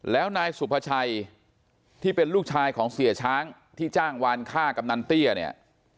แล้วนายสุภาชัยที่เป็นลูกชายของเสียช้างที่จ้างวานฆ่ากำนันเตี้ยเนี่ย